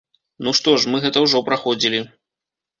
Ну што ж, мы гэта ўжо праходзілі.